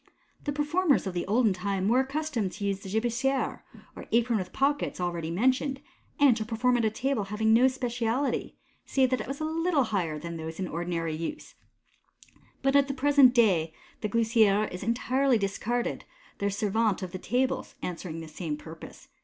The performers of the olden time were accustomed to use the gibeciere, or apron with pockets, already mentioned, and to perform at a table having no spe ciality, save that it was a little higher than those in ordinary use t but 2?i MODERN MA C/C. at the present day the gileciere is entirely discarded, the servante of the table answering the same purpose.